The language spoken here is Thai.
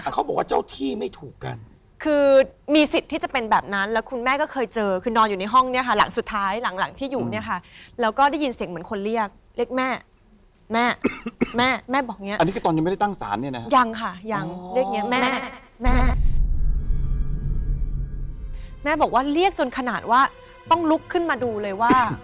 เขาบอกว่าเจ้าที่ไม่ถูกกันคือมีสิทธิ์ที่จะเป็นแบบนั้นแล้วคุณแม่ก็เคยเจอคือนอนอยู่ในห้องเนี่ยค่ะหลังสุดท้ายหลังหลังที่อยู่เนี่ยค่ะแล้วก็ได้ยินเสียงเหมือนคนเรียกเรียกแม่แม่แม่บอกเนี้ยอันนี้คือตอนนี้ไม่ได้ตั้งศาลเนี่ยนะยังค่ะยังเลขเนี้ยแม่แม่บอกว่าเรียกจนขนาดว่าต้องลุกขึ้นมาดูเลยว่า